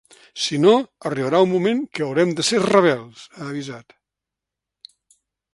“Si no, arribarà un moment que haurem de ser rebels”, ha avisat.